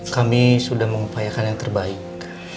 kami sudah mengupayakan yang terbaik